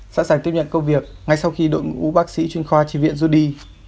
sẵn sàng tiếp nhận công việc ngay sau khi đội ngũ bác sĩ chuyên khoa tri viện rút đi